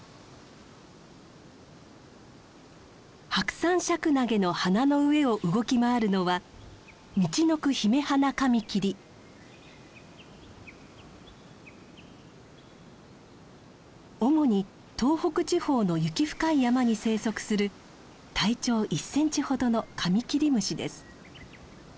ハクサンシャクナゲの花の上を動き回るのは主に東北地方の雪深い山に生息する体長１センチほどのカミキリムシです。